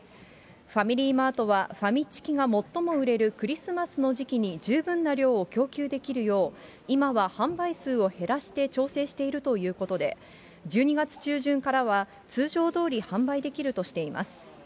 ファミリーマートは、ファミチキが最も売れるクリスマスの時期に十分な量を供給できるよう今は販売数を減らして調整しているということで、１２月中旬からは、通常どおり販売できるとしています。